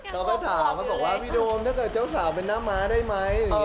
เขาอยากจะถามว่าพี่โดมถ้าเจ้าสาวเป็นน้ำม้าได้ไหม